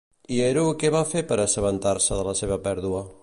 I Hero què va fer en assabentar-se de la seva pèrdua?